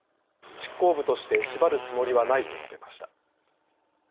執行部として縛るつもりはないと述べました。